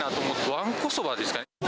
わんこそばですかね。